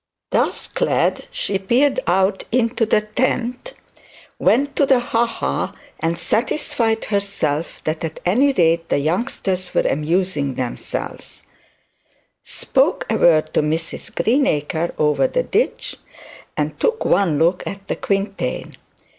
Thus clad she peered out into the tent, went to the ha ha, and satisfied herself that at any rate the youngsters were amusing themselves, spoke a word to Mrs Greenacre over the ditch, and took one look at the quintain.